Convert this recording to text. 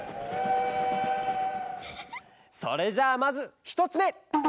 それじゃあまずひとつめ！